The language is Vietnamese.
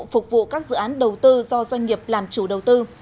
phục vụ các dự án đầu tư do doanh nghiệp làm chủ đầu tư